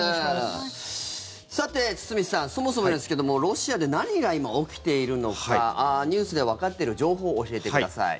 さて、堤さんそもそもですけどもロシアで何が今、起きているのかニュースでわかっている情報教えてください。